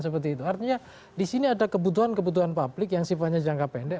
artinya disini ada kebutuhan kebutuhan publik yang sifatnya jangka pendek